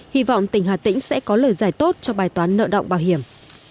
hy vọng tỉnh hà tĩnh sẽ có lời giải tốt cho bài toán nợ động bảo hiểm